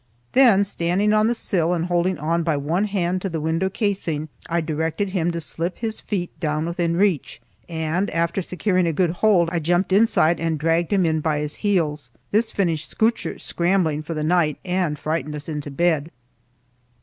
Then, standing on the sill and holding on by one hand to the window casing, I directed him to slip his feet down within reach, and, after securing a good hold, I jumped inside and dragged him in by his heels. This finished scootcher scrambling for the night and frightened us into bed.